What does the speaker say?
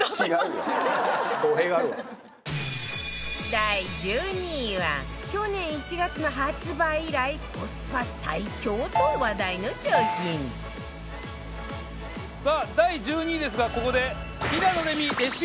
第１２位は去年１月の発売以来コスパ最強と話題の商品さあ第１２位ですがここでおおー！